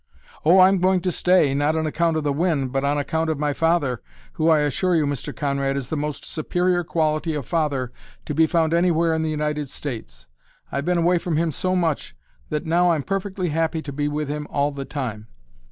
"Oh, I'm going to stay, not on account of the wind, but on account of my father, who, I assure you, Mr. Conrad, is the most superior quality of father to be found anywhere in the United States! I've been away from him so much that now I'm perfectly happy to be with him all the time.